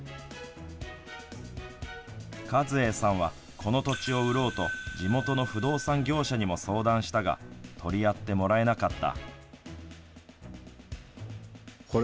和栄さんはこの土地を売ろうと地元の不動産業者にも相談したが取り合ってもらえなかった。